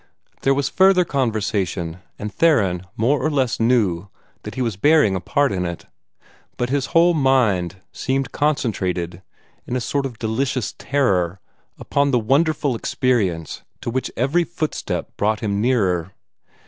There was further conversation, and Theron more or less knew that he was bearing a part in it, but his whole mind seemed concentrated, in a sort of delicious terror, upon the wonderful experience to which every footstep brought him nearer.